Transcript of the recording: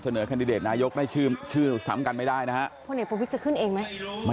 เสนอแคนดิเดตนายกได้ชื่อซ้ำกันไม่ได้นะฮะ